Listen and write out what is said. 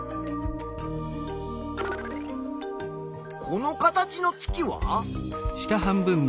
この形の月は？